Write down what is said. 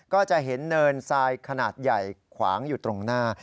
ก็จะเห็นเนินทรายขนาดใหญ่ขวางอยู่ตรงหน้า